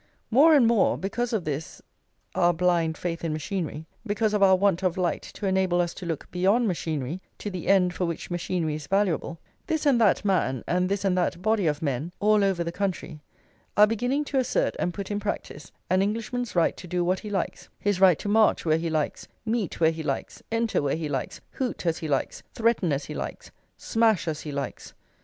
More and more, because of this our blind faith in machinery, because of our want of light to enable us to look beyond machinery to the end for which machinery is valuable, this and that man, and this and that body of men, all over the country, are beginning to assert and put in practice an Englishman's right to do what he likes; his right to march where he likes, meet where he likes, enter where he likes, hoot as he likes, threaten as he likes, smash as he likes.